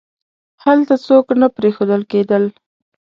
هلته څوک نه پریښودل کېدل.